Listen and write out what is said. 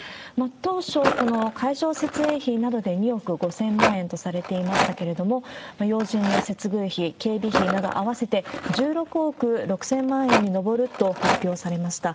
当初、この会場設営費などで２億５０００万円とされていましたけれども、要人の接遇費、警備費など合わせて１６億６０００万円に上ると発表されました。